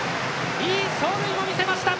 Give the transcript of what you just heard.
いい走塁も見せました！